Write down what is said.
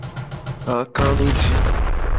Kakadoji.